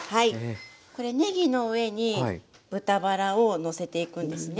これねぎの上に豚バラをのせていくんですね。